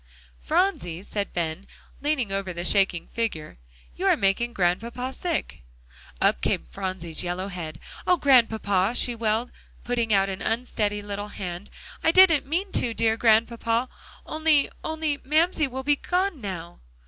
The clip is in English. "Phronsie," said Ben, leaning over the shaking figure, "you are making Grandpapa sick." Up came Phronsie's yellow head. "Oh, Grandpapa!" she wailed, putting out an unsteady little hand, "I didn't mean to, dear Grandpapa, only only Mamsie will be gone now."